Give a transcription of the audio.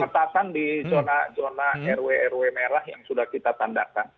mas bayu pengetahuan di zona zona rw rw merah yang sudah kita tandakan